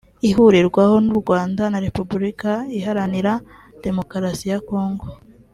ihurirwaho n’u Rwanda na Repubulika iharanira Demokarasi ya Congo